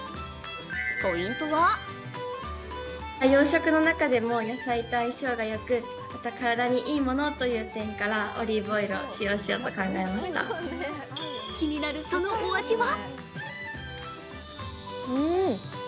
ポイントは気になるそのお味は？